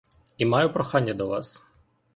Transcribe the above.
І маю прохання до вас.